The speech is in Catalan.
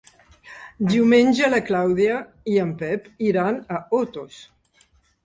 Diumenge na Clàudia i en Pep iran a Otos.